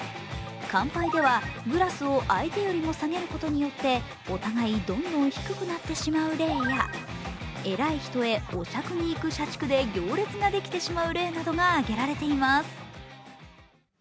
乾杯では、グラスを相手よりも下げることによってお互いどんどん低くなってしまう例や偉い人へお酌に行く社畜で行列ができてしまう例などが挙げられています。